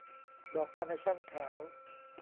ดอกคาร์เนชั่นขาว